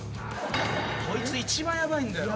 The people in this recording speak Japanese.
こいつ一番ヤバいんだよ。